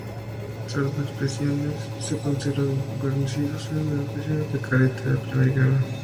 Salvo excepciones, se conservan guarnecidos con encuadernaciones de cartera en pergamino.